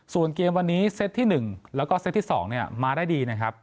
ส่วนเกมวันนี้เซตที่๑แล้วก็เซตที่๒มาได้ดีนะครับ